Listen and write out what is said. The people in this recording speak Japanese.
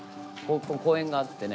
公園があってね